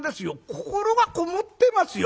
心がこもってますよ。